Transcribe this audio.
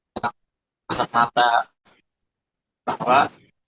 saudaranya nggak menanyakan di pigeons per kilowatt